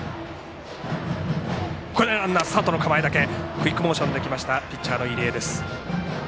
クイックモーションできましたピッチャーの入江。